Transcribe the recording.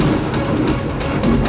aku akan menangkanmu